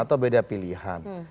atau beda pilihan